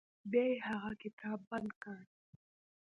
بیا هغه کتاب بند کړ.